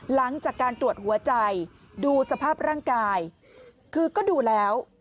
หลังจากการตรวจหัวใจดูสภาพร่างกายคือก็ดูแล้ว